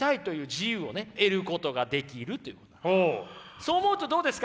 そう思うとどうですか？